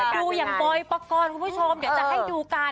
ดูอย่างปลอยปลากอดคุณผู้ชมอยากจะให้ดูการ